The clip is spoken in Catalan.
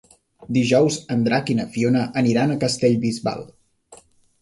Dijous en Drac i na Fiona aniran a Castellbisbal.